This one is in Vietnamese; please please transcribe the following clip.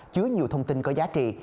chứa nhiều thông tin có giá trị